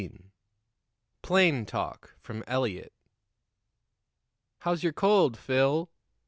PLAIN TALK FROM ELIOT. "How's your cold, Phil?"